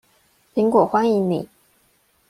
蘋果歡迎你